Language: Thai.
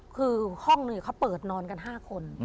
คือห้องหนึ่งเขาเปิดนอนกัน๕คน